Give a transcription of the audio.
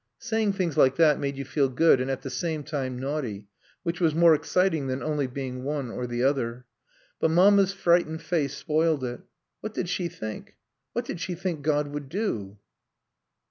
Saying things like that made you feel good and at the same time naughty, which was more exciting than only being one or the other. But Mamma's frightened face spoiled it. What did she think what did she think God would do?